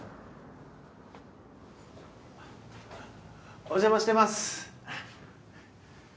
お邪魔してます。